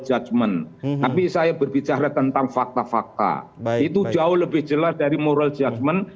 judgment tapi saya berbicara tentang fakta fakta itu jauh lebih jelas dari moral judgment